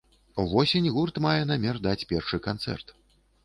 Увосень гурт мае намер даць першы канцэрт.